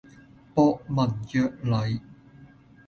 博文約禮